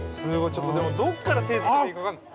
ちょっと、でもどっから手つけていいか分からない。